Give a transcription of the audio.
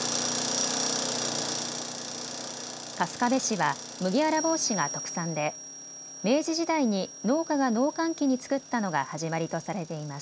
春日部市は麦わら帽子が特産で明治時代に農家が農閑期に作ったのが始まりとされています。